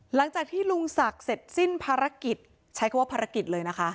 หลังจากที่ลุงศักดิ์เสร็จสิ้นภารกิจใช้คำว่าภารกิจเลยนะคะ